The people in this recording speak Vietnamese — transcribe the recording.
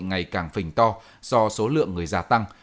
ngày càng phình to do số lượng người già tăng